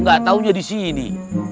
gak taunya di sini